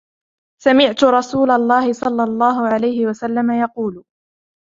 سَمِعْتُ رسولَ اللهِ صَلَّى اللهُ عَلَيْهِ وَسَلَّمَ يقولُ: